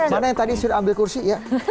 mana yang tadi sudah ambil kursi ya